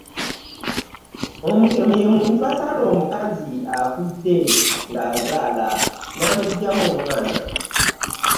Omutemu ye muntu asala omukazi afudde ng' azaala n'amuggyamu omwana.